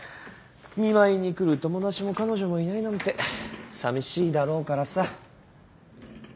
見舞いに来る友達も彼女もいないなんてさみしいだろうからさ。